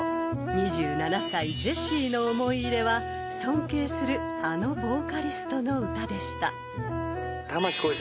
［２７歳ジェシーの思い入れは尊敬するあのボーカリストの歌でした］